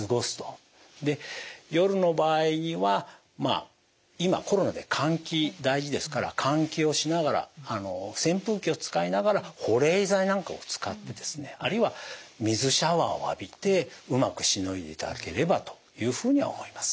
夜の場合は今コロナで換気大事ですから換気をしながら扇風機を使いながら保冷剤なんかを使ってですねあるいは水シャワーを浴びてうまくしのいでいただければというふうに思います。